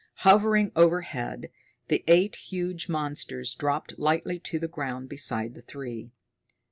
Hovering overhead, the eight huge monsters dropped lightly to the ground beside the three.